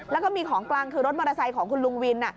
แล้วก็มีของกลางคือรถมอเตอร์ไซค์ของคุณลุงวิน